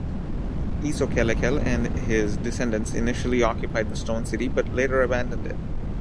Isokelekel and his descendants initially occupied the stone city, but later abandoned it.